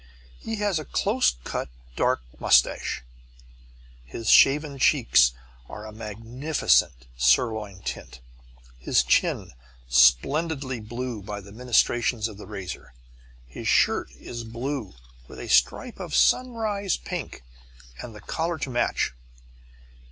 He has a close cut dark moustache, his shaven cheeks are a magnificent sirloin tint, his chin splendidly blue by the ministration of the razor. His shirt is blue with a stripe of sunrise pink, and the collar to match.